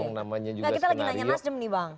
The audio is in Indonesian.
orang namanya juga skenario